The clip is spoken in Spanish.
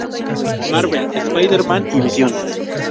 Marvel, Spider-Man y Visión.